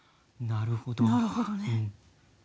なるほどね。